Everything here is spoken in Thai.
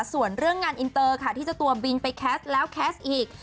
ส่วนเรื่องงานอินเตอร์ค่ะที่เจ้าตัวบินไปแคสต์แล้วแคสต์อีก